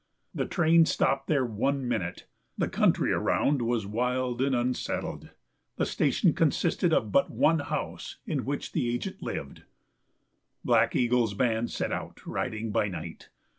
The train stopped there one minute; the country around was wild and unsettled; the station consisted of but one house in which the agent lived. Black Eagle's band set out, riding by night.